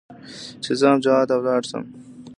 چې زه هم جهاد ته ولاړ سم.